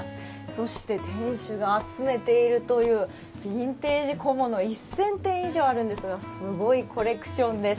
そして店主が集めているというビンテージ小物１０００点以上あるんですがすごいコレクションです。